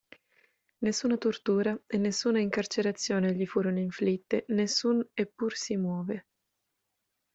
Nessuna tortura e nessuna incarcerazione gli furono inflitte, nessun "E pur si muove!